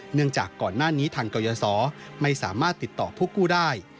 เนื่องจากก่อนหน้านี้ทางกรยศไม่สามารถติดต่อผู้กู้ได้